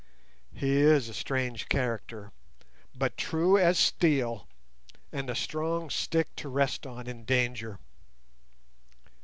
He is a strange character, but true as steel, and a strong stick to rest on in danger."